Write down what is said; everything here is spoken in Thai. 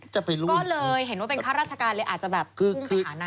ก็เลยเห็นว่าเป็นข้าวราชการเลยอาจจะแบบพุ่งไปหาหน้าอยู่